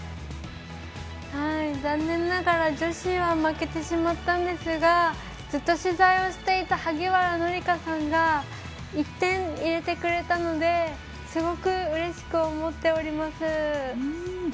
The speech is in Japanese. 残念ながら女子は負けてしまったんですがずっと取材をしていた萩原紀佳さんが１点、入れてくれたのですごくうれしく思っております。